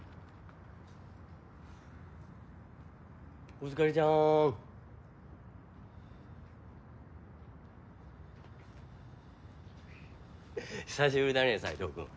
・お疲れちゃん。ははっ久しぶりだね斎藤君。